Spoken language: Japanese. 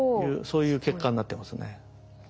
そういう結果になってますね。